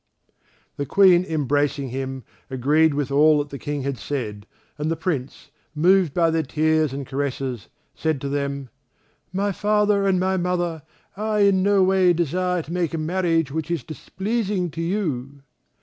The Queen embracing him, agreed with all that the King had said, and the Prince, moved by their tears and caresses, said to them: "My father and my mother, I in no way desire to make a marriage which is displeasing to you."